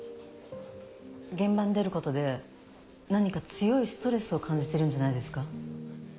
現場に出ることで何か強いストレスを感じてるんじゃないですか？